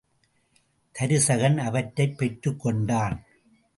தருசகன் அவற்றைப் பெற்றுக் கொண்டான்.